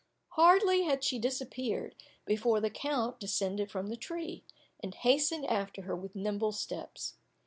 Hardly had she disappeared, before the count descended from the tree, and hastened after her with nimble steps.